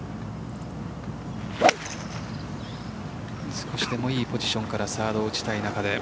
少しでも良いポジションからサードを打ちたい中で。